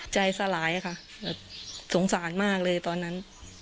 ใจสลายค่ะสงสารมากเลยตอนนั้น